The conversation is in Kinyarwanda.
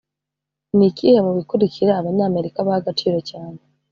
Ni ikihe mu bikurikira abanyamerika baha agaciro cyane